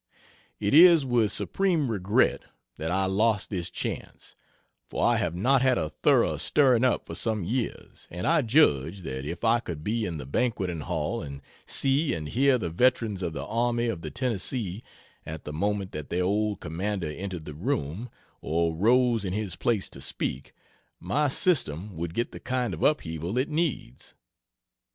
It is with supreme regret that I lost this chance, for I have not had a thorough stirring up for some years, and I judged that if I could be in the banqueting hall and see and hear the veterans of the Army of the Tennessee at the moment that their old commander entered the room, or rose in his place to speak, my system would get the kind of upheaval it needs.